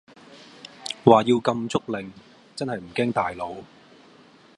話要禁足令真係唔經大腦